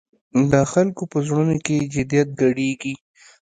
د خلکو په زړونو کې جدیت ګډېږي.